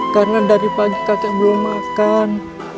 karena dari pagi kakek belum makan